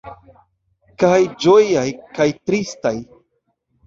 Kaj ĝojaj, kaj tristaj.